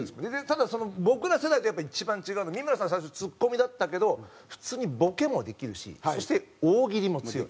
ただ僕ら世代と一番違うの三村さん最初ツッコミだったけど普通にボケもできるしそして大喜利も強い。